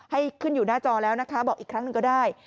ให้ขึ้นอยู่หน้าจอแล้วนะคะบอกอีกครั้งหนึ่งก็ได้